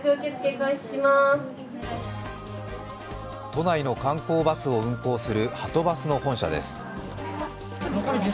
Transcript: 都内の観光バスを運行するはとバスの本社です。